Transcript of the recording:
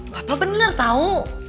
papa bener tau